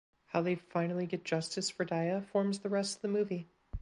How they finally get justice for Diya forms the rest of the movie.